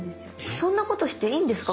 そんなことしていいんですか？